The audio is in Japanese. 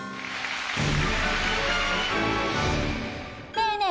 ねえねえ